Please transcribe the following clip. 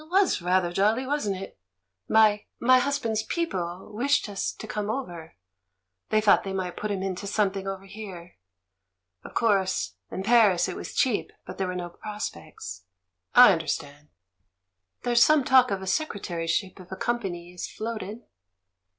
"It was ratlier jolly, wasn't it? My — my hus band's people wished us to come over; thej^ thought they might put him into something over here. Of course, in Paris it was cheap, but there were no prospects." "I understand." "There's some talk of a secretaryship if a company is floated."